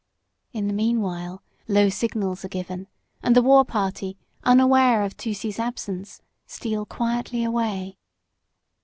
In the meanwhile low signals are given, and the war party, unaware of Tusee's absence, steal quietly away.